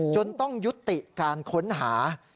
จนต้องยุติการค้นหา